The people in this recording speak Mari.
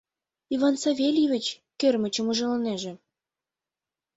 — Иван Савельевич кермычым ужалынеже.